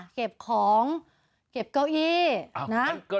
เก็บของเก็บเก้าอี้นะ